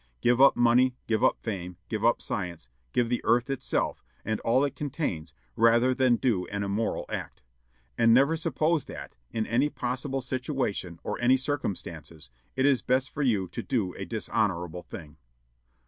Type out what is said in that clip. Give up money, give up fame, give up science, give the earth itself, and all it contains, rather than do an immoral act. And never suppose that, in any possible situation or any circumstances, it is best for you to do a dishonorable thing."